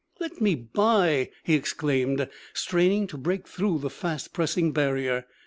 'Let me by!' he exclaimed, straining to break through the fast pressing barrier.